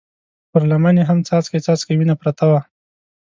پر لمن يې هم څاڅکی څاڅکی وينه پرته وه.